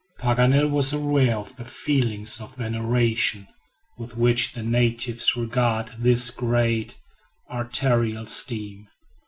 Paganel was aware of the feelings of veneration with which the natives regard this great arterial stream.